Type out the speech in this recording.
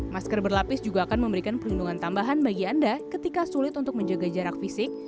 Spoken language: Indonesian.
masker berlapis juga akan memberikan perlindungan tambahan bagi anda ketika sulit untuk menjaga jarak fisik